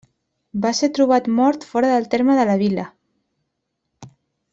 Va ser trobat mort fora del terme de la vila.